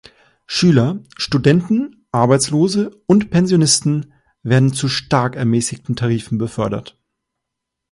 Schüler, Studenten, Arbeitslose und Pensionisten werden zu stark ermäßigten Tarifen befördert.